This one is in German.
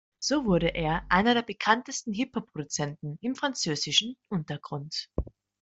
So wurde er einer der bekanntesten Hip-Hop-Produzenten im französischen Untergrund.